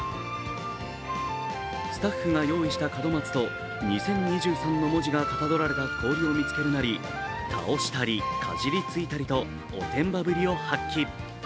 スタッフが用意した門松と「２０２３」の文字がかたどられた氷を見つけるなり、倒したり、かじりついたりと、おてんばぶりを発揮。